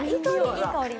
いい香り！